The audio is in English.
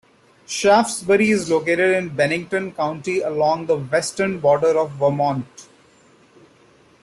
Shaftsbury is located in Bennington County along the western border of Vermont.